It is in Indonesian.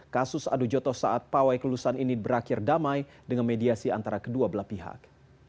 kasus adu joto saat pawai kelulusan ini berakhir damai dengan mediasi antara kedua belah pihak